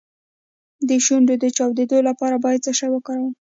د شونډو د چاودیدو لپاره باید څه شی وکاروم؟